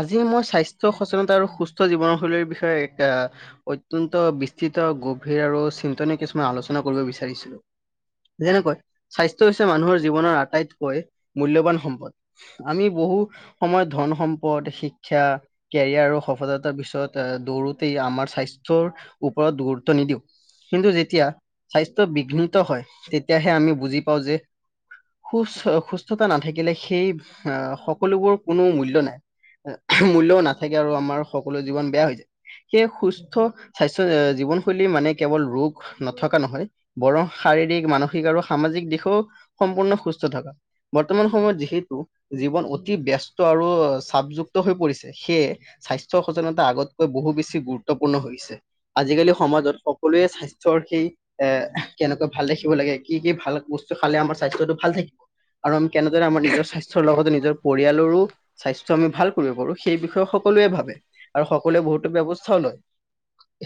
আজি মই স্বাস্থ্য সচেতনতা আৰু সুস্থ জীৱনৰ শৈলীৰ বিষয়ে আ অত্যন্ত বিস্তৃত গভীৰ আৰু চিন্তনীয় কিছুমান আলোচনা কৰিব বিচাৰিছিলোঁ। যেনেকৈ স্বাস্থ্য হৈছে মানুহৰ জীৱনৰ আটাইতকৈ মূল্যৱান সম্পদ। আমি বহু সময়ত ধন, সম্পদ, শিক্ষা কেৰিয়াৰ আৰু সফলতাৰ পিছত দৌৰোতেই আমাৰ স্বাস্থ্যৰ ওপৰত গুৰুত্ব নিদিওঁ। কিন্তু যেতিয়া স্বাস্থ্য বিঘ্নিত হয় তেতিয়াহে আমি বুজি পাওঁ যে সুচ সুস্থতা নাথাকিলে সেই আ সকলোবোৰ কোনো মূল্য নাই। [unintelligible] মূল্য নাথাকে আৰু আমাৰ সকলো জীৱন বেয়া হৈ যায়। সেই সুস্থ স্বাস্থ্য জীৱনশৈলী মানে কেৱল ৰোগ নথকা নহয়। বৰং শাৰীৰিক, মানসিক আৰু সামাজিক দিশও সম্পূৰ্ণ সুস্থ থকা। বৰ্তমান সময়ত যিহেতু জীৱন অতি ব্যস্ত আৰু চাপযুক্ত হৈ পৰিছে। সেয়ে স্বাস্থ্য সজেনতা আগতকৈ বহু বেছি গুৰুত্বপূৰ্ণ হৈছে। আজিকালি সমাজত সকলোৱে স্বাস্থ্যৰ সেই এ কেনেকুৱা ভাল দেখিব লাগে, কি কি ভাল বস্তু খালে আমাৰ স্বাস্থ্যটো ভাল থাকিব। আৰু আমি কেনেদৰে আমাৰ নিজৰ স্বাস্থ্যৰ লগতে নিজৰ পৰিয়ালৰো চ আমি ভাল কৰিব পাৰোঁ সেই বিষয়ে সকলোৱে ভাবে আৰু সকলোৱে বহুতো ব্যৱস্থাও লয়।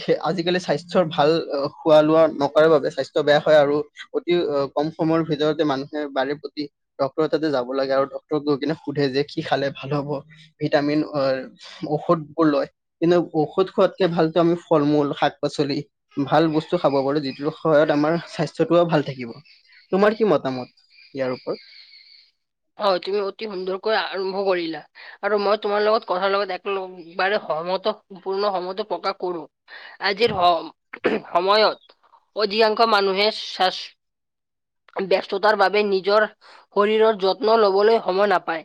সেই আজিকালি স্বাস্থ্যৰ ভাল খোৱা লোৱা নকৰে বাবে স্বাস্থ্য বেয়া হয় আৰু অতি কম সময়ৰ ভিতৰতে মানুহে বাৰে প্ৰতি ডক্তৰ তাতে যাব লাগে আৰু ডক্তৰক গৈ কিনে সুধে যে কি খালে ভাল হ'ব ভিটামিন ঔষধ বোৰ লয়। কিন্তু ঔষধ খোৱাতকে ভালতে আমি ফল-মূল, শাক-পাচলি ভাল বস্তু খাব পাৰোঁ যিটোৰ সহায়ত আমাৰ স্বাস্থ্যটোও ভাল থাকিব। তোমাৰ কি মতামত ইয়াৰ ওপৰত? অঁ! তুমি অতি সুন্দৰকৈ আৰম্ভ কৰিলা। আৰু মই তোমাৰ লগত কথাৰ লগত এক লকবাৰে সহমত সম্পূৰ্ণ সহমত প্ৰকাশ কৰোঁ। আজিৰ সম সময়ত অধিকাংশ মানুহে চাচ ব্যস্ততাৰ বাবে নিজৰ শৰীৰৰ যত্ন লবলৈ সময় নাপায়।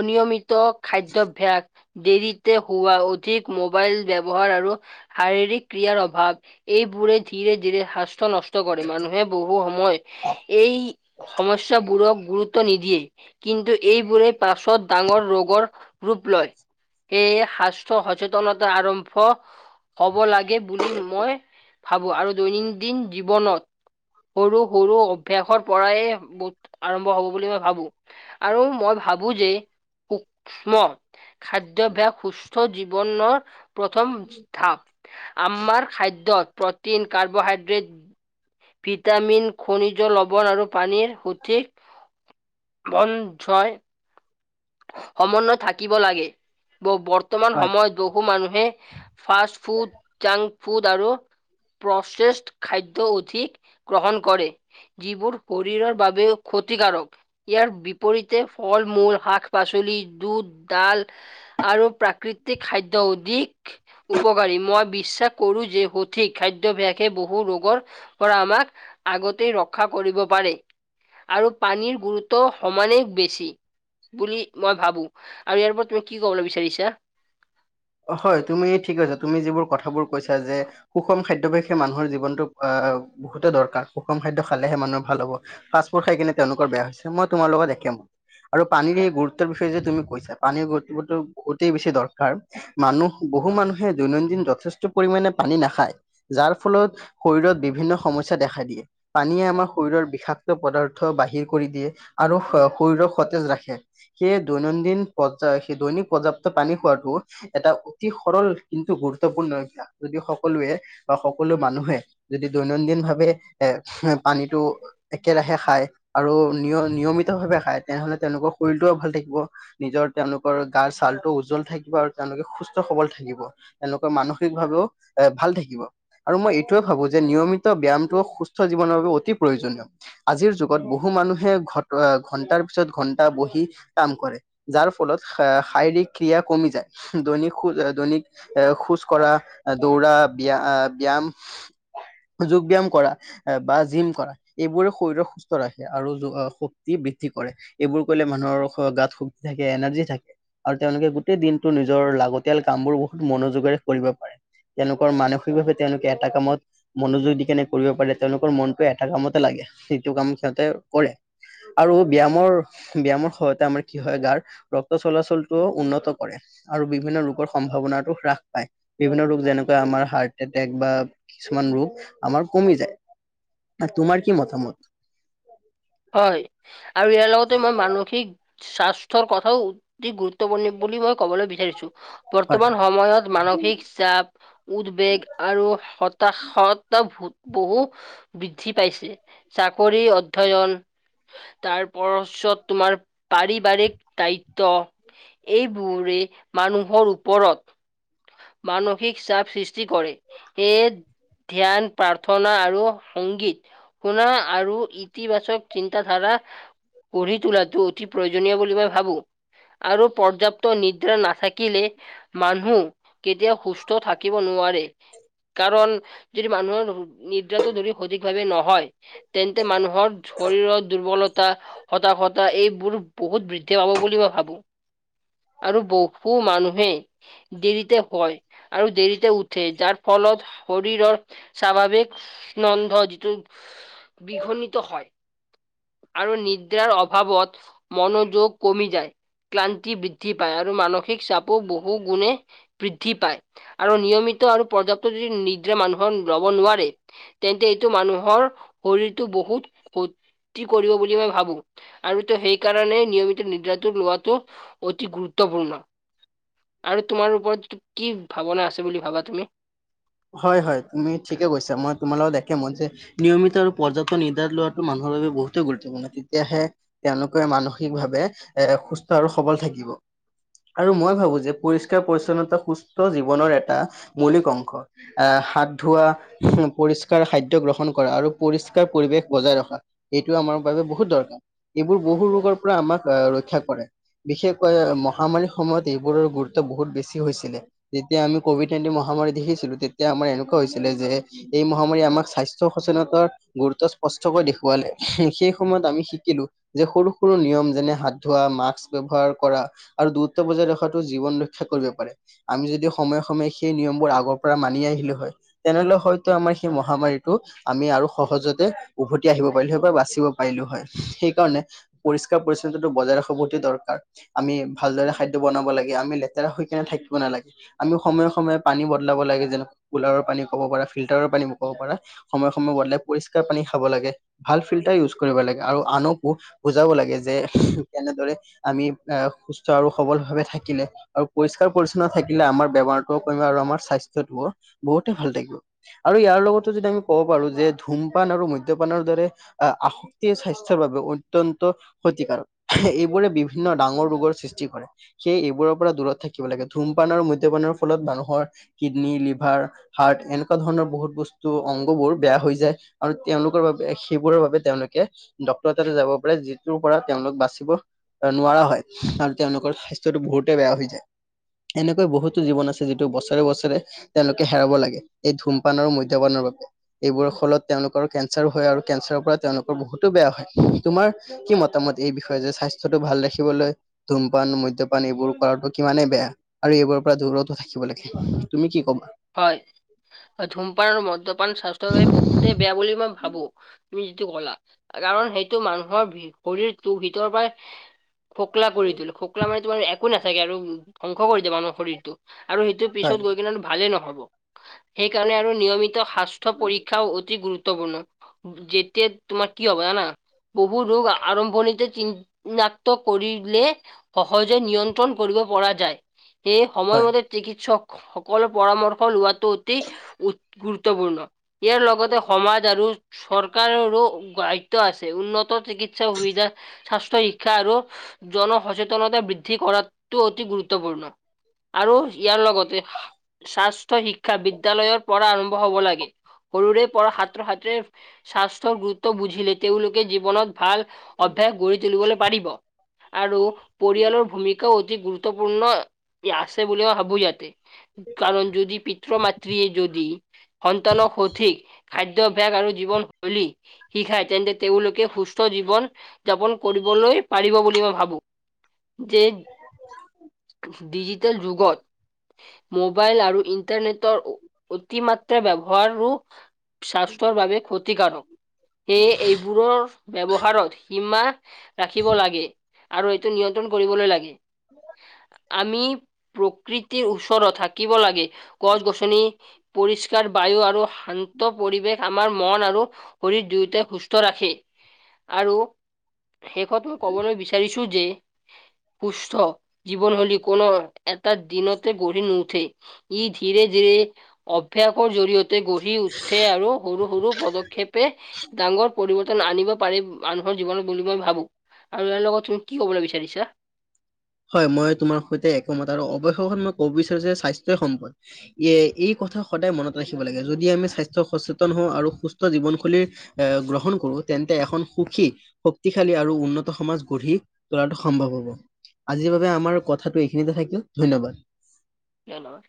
অনিয়মিত [unintelligible] খাদ্য অভ্যাস, দেৰিতে শোৱা, অধিক মোবাইল ব্যৱহাৰ আৰু শাৰীৰিক ক্ৰিয়াৰ অভাৱ এইবোৰে ধীৰে-ধীৰে স্বাস্থ্য নষ্ট অনিষ্ট কৰে। মানুহে বহু সময় এই সমস্যা বোৰক গুৰুত্ব নিদিয়ে কিন্তু এইবোৰে পাছত ডাঙৰ ৰোগৰ ৰূপ লয়। এই সাস্থ্য সচেতনতা আৰম্ভ হ'ব লাগে বুলি মই ভাবোঁ আৰু দৈনন্দিন জীৱনত সৰু সৰু অভ্যাসৰ পৰাই বুধ আৰম্ভ হ'ব বুলি মই ভাবোঁ। আৰু মই ভাবোঁ যে সূক্ষ্ম খাদ্যাভ্যাস সুস্থ জীৱনৰ প্ৰথম থাপ আমাৰ খাদ্যত প্ৰ'টিন, কাৰ্বহাইড্ৰেট ভিটামিন, খনিজ, লৱণ আৰু পানীৰ সঠিক মন জয় সমন্নয় থাকিব লাগে। ব-বৰ্তমান হয় সময়ত বহু মানুহে ফাষ্ট ফুড, জাংক ফুড আৰু প্ৰচেছ খাদ্য অধিক গ্ৰহণ কৰে। যিবোৰ শৰীৰৰ বাবেও ক্ষতিকাৰক, ইয়াৰ বিপৰীতে ফল- মূল শাক পাচলি দুদ, ডাল আৰু প্ৰাকৃতিক খাদ্য অধিক উপকাৰী। মই বিশ্বাস কৰো যে সঠিক খাদ্য বিলাকে বহু ৰোগৰ পৰা আমাক আগতেই ৰক্ষা কৰিব পাৰি। আৰু পানীৰ গুৰুত্ব সমানে বেছি বুলি মই ভাবো। আৰু ইয়াৰ পৰা তুমি কি কবলৈ বিচাৰিছা? অ হয়, তুমি ঠিক কৈছা। তুমি যিবোৰ কথাবোৰ কৈছা যে সুষম খাদ্যভ্যাসে মানুহৰ জীৱনটো আ বহুতে দৰকাৰ। সুষম খাদ্য খালেহে মানুহৰ ভাল হ'ব। ফাষ্টফুড খাই কিনে তেওঁলোকৰ বেয়া হৈছে মই তোমাৰ লগত একেমত। আৰু পানীৰ এই গুৰুত্বৰ বিষয়ে যে তুমি কৈছা পানীৰ গুৰুত্ব বহুতেই বেছি দৰকাৰ মানুহ, বহু মানুহে দৈনন্দিন যথেষ্ট পৰিমানে পানী নাখায় যাৰ ফলত শৰীৰত বিভিন্ন সমস্যা দেখা দিয়ে পানীয়ে আমাৰ শৰীৰৰ বিষাক্ত পদাৰ্থ বাহিৰ কৰি দিয়ে আৰু শৰীৰক সতেজ ৰাখে। সেই দৈনন্দিন পৰ্যা সেই দৈনিক পৰ্যাপ্ত পানী খোৱাটো এটা অতি সৰল কিন্তু গুৰুত্বপূৰ্ণ অভ্যাস। যদি সকলোৱে বা সকলো মানুহে যদি দৈনন্দিন ভাৱে এ পানীটো একেৰাহে খাই আৰু নিয় নিয়মিত ভাৱে খায় তেনেহলে তেওঁলোকৰ শৰীৰটোও ভাল থাকিব নিজৰ তেওঁলোকৰ গাৰ ছাল টো উজ্জ্বল থাকিব আৰু তেওঁলোকে সুস্থ সবল থাকিব। তেওঁলোকৰ মানসিক ভাৱেও এ ভাল থাকিব। আৰু মই এইটোৱে ভাবো যে নিয়মিত ব্যায়ামটো সুস্থ জীৱনৰ বাবে অতি প্ৰয়োজনীয়। আজিৰ যুগত বহু মানুহে ঘ ঘন্টাৰ পিছত ঘন্টা বহি কাম কৰে যাৰ ফলত শাৰীৰিক ক্ৰিয়া কমি যায়। দৈনিক খোজ দৈনিক এ খোজ কঢ়া, দৌৰা, ব্য আহ ব্যায়াম যোগ, ব্যয়াম কৰা বা জিম কৰা এইবোৰে শৰীৰক সুস্থ ৰাখে আৰু শক্তি বৃদ্ধি কৰে। এইবোৰ কৰিলে মানুহৰ গাত শক্তি থাকে এনাৰ্জি থাকে আৰু তেওঁলোকে গোটেই দিন নিজৰ লাগতিয়াল কাম বোৰ বহুত মনোযোগেৰে কৰিব পাৰে। তেওঁলোকৰ মানসিকভাৱে তেওঁলোকে এটা কামত মনোযোগ দি কেনে কৰিব পাৰে, তেওঁলোকৰ এটা কামতে লাগে সেইটো কাম সিহঁতে কৰে। আৰু ব্যায়ামৰ-ব্যায়ামৰ সহায়তে আমাৰ কি হয়, গাৰ ৰক্ত চলাচলটো উন্নত কৰে, আৰু বিভিন্ন ৰোগৰ সম্ভাৱনাটো হ্ৰাস পায়। বিভিন্ন ৰোগ যেনেকুৱা আমাৰ হাৰ্ট এটেক বা কিছুমান ৰোগ আমাৰ কমি যায়। তাত তোমাৰ কি মতামত? হয় আৰু ইয়াৰ লগতে মই মানসিক স্বাস্থ্যৰ কথাও অতি গুৰুত্বপূৰ্ণ বুলি মই কবলৈ বিচাৰিছো। হয়, বৰ্তমান সময়ত মানসিক জাপ, উদ্বেগ আৰু হতাশত ভোগ বহু বৃদ্ধি পাইছে। চাকৰি অধ্যয়ন তাৰপৰছত তোমাৰ পাৰিবাৰিক দায়িত্ব এইবোৰে মানুহৰ ওপৰত মানসিক চাপ সৃষ্টি কৰে। সেইয়ে ধ্যান, প্ৰাৰ্থনা আৰু সংগীত শুনা আৰু ইতিবাচক চিন্তাধাৰা গঢ়ি তোলাটো অতি প্ৰয়োজনীয় বুলি মই ভাবো। আৰু পৰ্যাপ্ত নিদ্ৰা নাথাকিলে মানুহ কেতিয়াও সুস্থ থাকিব নোৱাৰে। কাৰণ যদি মানুহ নিদ্ৰা ধৰি সঠিক ভাৱে নহয়। তেন্তে মানুহৰ দুৰ্বলতা হতাশতা এইবোৰ বহুত বৃদ্ধি পাব বুলি মই ভাবো। আৰু বহু মানুহে দেৰিতে হয় আৰু দেৰিতে উঠে যাৰ ফলত শৰীৰৰ স্বাভাৱিক নন্দ যিটো বিঘনিত হয় আৰু নিদ্ৰাৰ অভাৱত মনোযোগ কমি যায়। ক্লান্তি বৃদ্ধি পায় আৰু মানসিক চাপো বহু গুণে বৃদ্ধি পায়। আৰু নিয়মিত আৰু পৰ্যাপ্ত যদি নিদ্ৰা মানুহৰ ল'ব নোৱাৰে তেন্তে এইটো মানুহৰ শৰীৰটো বহুত ক্ষতি কৰিব বুলি মই ভাবো। আৰুতো সেইকাৰণেই নিয়মিত নিদ্ৰাটো লোৱাটো অতি গুৰুত্বপূৰ্ণ। আৰু তোমাৰ ওপৰত কি ভাৱনা আছে বুলি ভাবা তুমি? হয় হয় তুমি ঠিকে কৈছা মই তোমাৰ লগত একে মই যে নিয়মিত আৰু পৰ্যাপ্ত নিদ্ৰাৰ লোৱাটো মানুহৰ বাবে বহুতেই গুৰুত্বপূৰ্ণ তেতিয়াহে তেওঁলোকে মানসিক ভাৱে এ সুস্থ আৰু সবল থাকিব আৰু মই ভাবো যে পৰিষ্কাৰ পৰিচ্ছন্নতা সুস্থ জীৱনৰ এটা মৌলিক অংশ। হাত ধোৱা পৰিস্কাৰ খাদ্য গ্ৰহণ কৰা আৰু পৰিস্কাৰ পৰিৱেশ বজাই ৰখা। এইটো আমাৰ বাবে বহুত দৰকাৰ এইবোৰ বহু ৰোগৰ পৰা আমাক ৰক্ষা কৰে। বিশেষকৈ মহামাৰীৰ সময়ত এইবোৰৰ গুৰুত্ব বহুত বেছি হৈছিলে। যেতিয়া আমি কভিড নাইনটিন মহামাৰী দেখিছিলো তেতিয়া আমাৰ এনেকুৱা হৈছিলে যে এই মহামাৰী আমাক স্বাস্থ্য সচেতনতাৰ গুৰুত্ব স্পষ্টকৈ দেখুৱালে সেই সময়ত আমি শিকিলোঁ যে সৰু সৰু নিয়ম যেনে হাত ধোৱা মাস্ক ব্যৱহাৰ কৰা আৰু দূৰত্ব বজাই ৰখাটো জীৱন ৰ ৰক্ষা কৰিব পাৰে আমি যদি সময়ে সময়ে সেই নিয়মবোৰ আগৰ পৰা মানি আহিলো হয়। তেনেহলে হয়তো আমাৰ সেই মহামাৰীটো আমি আৰু সহজতে উভতি আহিব পাৰিলো হয় বা বাচিব পাৰিলো হয়। সেইকাৰণে পৰিষ্কাৰ পৰিচ্ছন্নতটো বজাই ৰখা বতো দৰকাৰ আমি ভালদৰে খাদ্য বনাব লাগে আমি লে লেতেৰা হয় কিনে থাকিব নালাগে। আমি সময়ে সময়ে পানী বদলাব লাগে যেনে কুলাৰৰ পানী ক'ব পাৰা ফিল্টাৰৰ ক'ব পাৰা। সময়ে সময়ে বদলাই পৰিষ্কাৰ পানী খাব লাগে। ভাল ফিল্টাৰ ইউজ কৰিব লাগে আৰু আনকো বুজাব লাগে যে কেনেদৰে আমি এ সুস্থ আৰু সবল ভাবে থাকিলে। আৰু পৰিষ্কাৰ পৰিচ্ছন্ন থাকিলে আমাৰ বেমাৰটোও কমিব আৰু আমাৰ স্বাস্থ্যটোও বহুতে ভাল থাকিব। আৰু ইয়াৰ লগতো যদি আমি ক'ব পাৰো যে ধূমপান আৰু মধ্য পানৰ দৰে এই স্বাস্থ্যৰ বাবে অত্যন্ত ক্ষতিকাৰক এইবোৰে বিভিন্ন ডাঙৰ ৰোগৰ সৃষ্টি কৰে। সেইয়েহে এইবোৰৰ পৰা দূৰত থাকিব লাগে ধূমপান আৰু মদ্যপানৰ ফলত মানুহৰ কিডনী, লিভাৰ হাৰ্ট এনেকুৱা ধৰণৰ বহুত বস্তু অংগ বোৰ বেয়া হৈ যায়। আৰু তেওঁলোকৰ বাবে সেইবোৰৰ বাবে তেওঁলোকে ডক্টৰৰ তাতে যাব পাৰে যিটোৰ পৰা তেওঁলোক বাচিব। নোৱাৰা হয়। আৰু তেওঁলোকৰ স্বাস্থ্যটো বহুতেই বেয়া হৈ যায়। এনেকৈ বহুতো জীৱন আছে যিটো বছৰে বছৰে তেওঁলোকে হেৰাব লাগে এই ধূমপান আৰু মধ্যপানৰ বাবে। এইবোৰৰ ফলত তেওঁলোকৰো কেঞ্চাৰো হয় আৰু কেঞ্চাৰৰ পৰা তেওঁলোকৰ বহুতো বেয়া হয়। তোমাৰ কি মতামত এই বিষয়ে, যে স্বাস্থ্যটো ভাল ৰাখিবলৈ ধূমপান মদ্যপান এইবোৰ কৰাটো কিমানে বেয়া আৰু এইবোৰৰ পৰা দূৰত থাকিব লাগে তুমি কিবা? হয় ধূমপান আৰু মদ্যপান স্বাস্থ্যৰ বাবে বহুতে বেয়া বুলি মই ভাবো তুমি যিটো কলা কাৰণ সেইটো মানুহৰ বি শৰীৰটো ভিতৰৰ পৰাই খোকলা কৰি তুলে খোকলা মানে তোমাৰ একো নাথাকে আৰু ধ্বংস কৰি দিয়ে মানুহৰ শৰীৰটো আৰু সেইটো পিছত হয় গৈ কিনে ভালেই নহব সেইকাৰণে আৰু নিয়মিত সাস্থ পৰীক্ষাও অতি গুৰুত্বপূৰ্ণ যেতিয়া তোমাৰ কি হ'ব জানা বহু ৰোগ আ আৰম্ভণিতে চিন নাক্ত কৰিলে সহজে নিয়ন্ত্ৰণ কৰিব পৰা যায় সেই হয় সময়মতে চিকিৎসক সকলৰ পৰামৰ্শ লোৱাটো অতি উ গুৰুত্বপূৰ্ণ ইয়াৰ লগতে সমাজ আৰু চৰকাৰৰো গায়িত্ব আছে, উন্নত চিকিৎসা সুবিধা স্বাস্থ্য শিক্ষা আৰু জনসচেতনতা বৃদ্ধি কৰাটো অতি গুৰুত্বপূৰ্ণ। আৰু ইয়াৰ লগতে স্বাস্থ শিক্ষা বিদ্যয়ালয়ৰ পৰা আৰম্ভ হব লাগে। সৰুৰে পৰা সাত্ৰ সাত্ৰে স্বাস্থ্যৰ গুৰুত্ব বুজিলে তেওঁলোকে জীৱনত ভাল অভ্যাস গঢ়িটোলিবলে পাৰিব আৰু পৰিয়ালৰ ভূমিকাও অতি গুৰুত্ব গুত্বপূৰ্ণ ইআছে বুলি মই ভাবো ইযাতে কাৰণ যদি পিত্ৰ মাতৃয়ে যদি সন্তানক সঠিক খাদ্যভ্যাস আৰু জীৱনশৈলী শিকায় তেন্তে তেওঁলোকে সুস্থ জীৱন যাপন কৰিবলৈ পাৰিব বুলি মই ভাবো। যেদ ডিজিটেল যুগত মোবাইল আৰু ইন ইণ্টাৰনেটৰ অ অতিমাত্ৰা ব্যৱহাৰো স্বাস্থ্যৰ বাবে ক্ষতিকাৰক। সেয়ে, এইবোৰৰ ব্যৱহাৰত সীমা ৰাখিব লাগে, আৰু এইটো নিয়ন্ত্ৰণ কৰিবলৈ লাগে। আমি প্ৰকৃতিৰ ওচৰত থাকিব লাগে। গছ গছনি পৰিষ্কাৰ বায়ু আৰু শান্ত পৰিৱেশ আমাৰ মন আৰু শৰীৰ দুয়োটাই সুস্থ ৰাখি আৰু শেষত, মই কবলৈ বিচাৰিছো যে সুস্থ জীৱন হৈলী কোনো এটা দিনতে গঢ়ি নু উঠে ঈদ ধীৰে ধীৰে অভ্যাসৰ জৰিয়তে গঢ়ি উঠে আৰু সৰু সৰু পদক্ষেপে ডাঙৰ পৰিৱৰ্তন আনিব পাৰি মানুহৰ জীৱনত বুলি মই ভাবো। আৰু ইয়াৰ লগত তুমি কি কবলৈ বিচাৰিছা। হয়, মই তোমাৰ সৈতে একোমত, আৰু অৱশেষত মই ক'ব বিচাৰো যে স্বাস্থ্যয় সম্পদ। এ, এই কথা সদায় মনত ৰাখিব লাগে। যদি আমি স্বাস্থ্য সচেতন হওঁ আৰু সুস্থ জীৱনশৈলীৰ এ, গ্ৰহণ কৰো তেন্তে এখন সুখী শক্তিশালী আৰু উন্নত সমাজ গঢ়ি তোলাটো সম্ভৱ হব। আজিৰ বাবে আমাৰ কথাটো এইখিনিতে থাকিল ধন্যবাদ। কিহল লাওৰা?